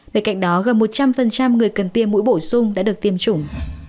bên cạnh đó gần một trăm linh người cần tiêm mũi bổ sung đã được tiêm chủng